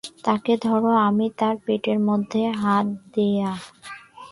তাকে ধরো, আমি তার পেটের মধ্যে হাত দেয়া!